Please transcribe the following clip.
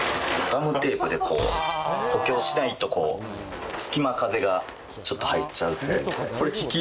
ガムテープでこう補強しないとこう隙間風がちょっと入っちゃうという。